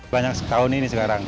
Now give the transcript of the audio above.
banyak tahun ini sekarang